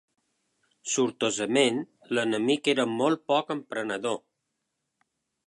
Sortosament, l'enemic era molt poc emprenedor.